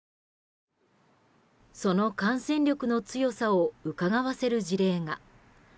その感染力の強さをうかがわせる事例が。